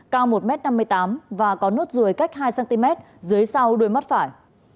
cao một m năm mươi tám và có nốt ruồi cách hai cm dưới sau đuôi mắt phải